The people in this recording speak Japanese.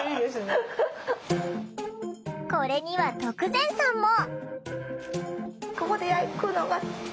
これには徳善さんも。